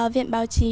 viện báo chí